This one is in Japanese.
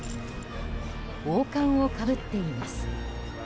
王冠をかぶっています。